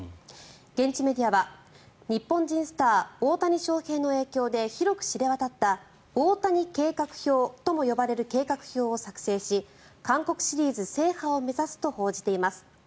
現地メディアは日本人スター、大谷翔平の影響で広く知れ渡った大谷計画表とも呼ばれる計画表を作成し韓国シリーズ制覇を目指すと報じています。